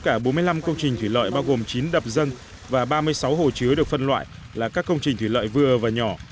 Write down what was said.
công trình được phân loại là các công trình thủy lợi vừa và nhỏ